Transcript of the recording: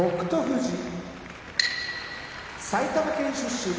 富士埼玉県出身